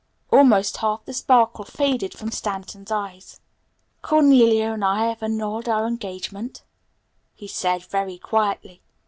Almost half the sparkle faded from Stanton's eyes. "Cornelia and I have annulled our engagement," he said very quietly.